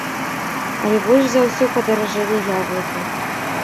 Але больш за ўсё падаражэлі яблыкі.